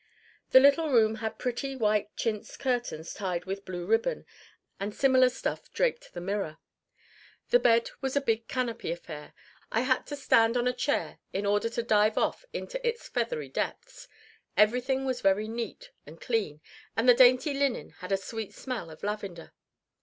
The little room had pretty, white chintz curtains tied with blue ribbon, and similar stuff draped the mirror. The bed was a big canopy affair I had to stand on a chair in order to dive off into its feathery depths everything was very neat and clean, and the dainty linen had a sweet smell of lavender.